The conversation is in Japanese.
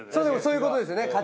でもそういうことですよね。